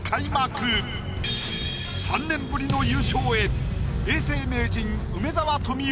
３年ぶりの優勝へ！